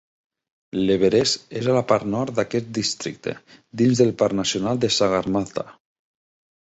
L'Everest és a la part nord d'aquest districte, dins del Parc Nacional de Sagarmatha.